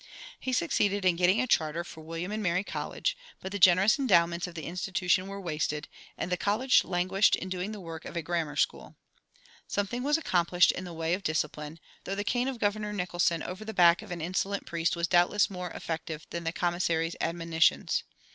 He succeeded in getting a charter for William and Mary College, but the generous endowments of the institution were wasted, and the college languished in doing the work of a grammar school. Something was accomplished in the way of discipline, though the cane of Governor Nicholson over the back of an insolent priest was doubtless more effective than the commissary's admonitions.